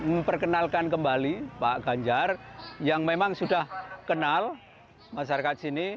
dan memperkenalkan kembali pak ganjar yang memang sudah kenal masyarakat sini